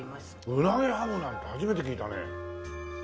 うなぎハムなんて初めて聞いたね。